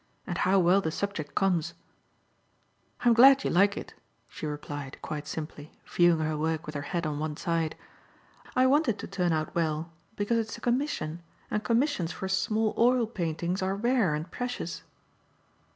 And how well the subject comes." "I'm glad you like it," she replied, quite simply, viewing her work with her head on one side. "I want it to turn out well, because it's a commission, and commissions for small oil paintings are rare and precious."